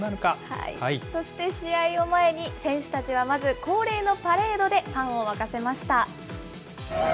そして試合を前に、選手たちはまず、恒例のパレードでファンを沸かせました。